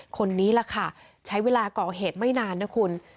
คนนี้แหละค่ะใช้เวลาก่อเหตุไม่นานนะคุณ